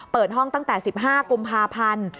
เปิดห้องตั้งแต่๑๕กุมภาพันธ์